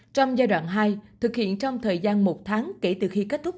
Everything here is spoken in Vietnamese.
trong giai đoạn hai thực hiện trong thời gian một tháng kể từ khi kết thúc